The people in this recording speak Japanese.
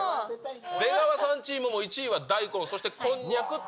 出川さんチームも１位は大根、そしてこんにゃく、卵。